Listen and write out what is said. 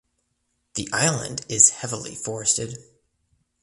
The island is heavily forested.